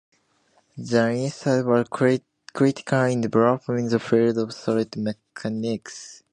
The insight was critical in developing the field of solid mechanics.